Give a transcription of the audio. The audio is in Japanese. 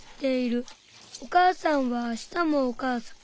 おかあさんはあしたもおかあさん。